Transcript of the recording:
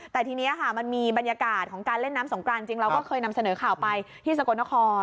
แต่ทีนี้ค่ะมันมีบรรยากาศของการเล่นน้ำสงกรานจริงเราก็เคยนำเสนอข่าวไปที่สกลนคร